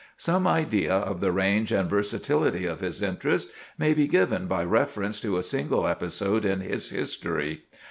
Some idea of the range and versatility of his interests may be given by reference to a single episode in his history.